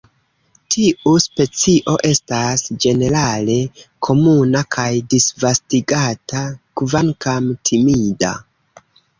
Tiu specio estas ĝenerale komuna kaj disvastigata, kvankam timida.